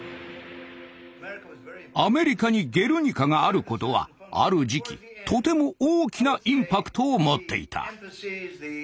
アメリカに「ゲルニカ」があることはある時期とても大きなインパクトを持っていた。